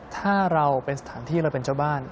ถ้าเราเป็นสถานที่เราเป็นเจ้าบ้าน